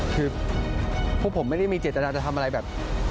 คือพวกผมไม่ได้มีเจตนาจะทำอะไรแบบ